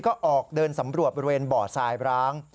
ก็ออกเดินสำรวจบริเวณบ่อทรายร้าง